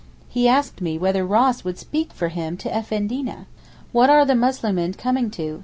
He asked me whether Ross would speak for him to Effendina! What are the Muslimeen coming to?